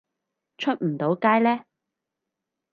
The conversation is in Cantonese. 出唔到街呢